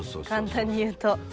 簡単に言うと。